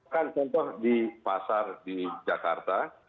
kan contoh di pasar di jakarta